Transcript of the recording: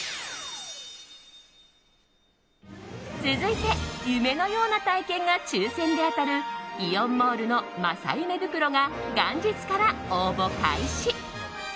続いて、夢のような体験が抽選で当たるイオンモールの正夢袋が元日から応募開始。